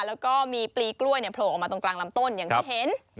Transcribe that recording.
แล้วก็มีปลีกล้วยโผล่ออกมาตรงกลางลำต้นอย่างที่เห็น